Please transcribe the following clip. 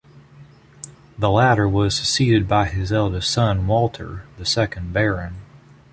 The latter was succeeded by his eldest son, Walter, the second Baron.